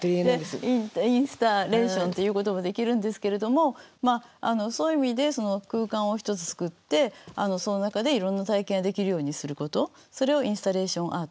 でインスタレーションって言うこともできるんですけれどもそういう意味で空間を一つ作ってその中でいろんな体験ができるようにすることそれをインスタレーション